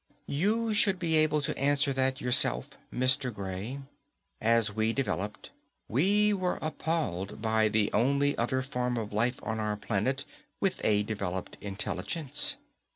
_You should be able to answer that yourself, Mr. Gray. As we developed, we were appalled by the only other form of life on our planet with a developed intelligence.